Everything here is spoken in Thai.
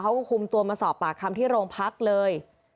เขาก็คุมตัวมาสอบปากคำที่โรงพักเลย